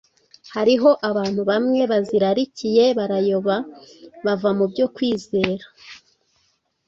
Hariho abantu bamwe bazirarikiye, barayoba, bava mu byo kwizera,